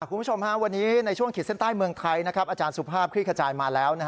คุณผู้ชมวันนี้ในช่วงขีดเส้นใต้เมืองไทยอาจารย์สุภาพคลี่ขจายมาแล้ว